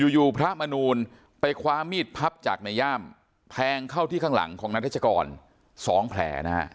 อยู่พระมนูลไปคว้ามีดพับจากในย่ามแทงเข้าที่ข้างหลังของนายทัชกร๒แผลนะฮะ